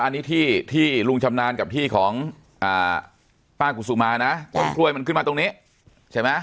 อันนี้ที่ที่ลุงชำนาญกับที่ของป้ากุศุมานะต้นกล้วยมันขึ้นมาตรงนี้ใช่ไหม